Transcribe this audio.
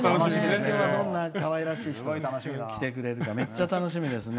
どんなかわいらしい人が来てくれるかめっちゃ楽しみですね。